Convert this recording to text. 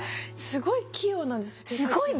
すごい器用なんですね。